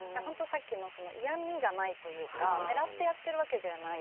さっきの、嫌みがないというかねらってやっているわけではない。